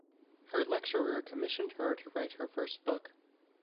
Her lecturer commissioned her to write her first book.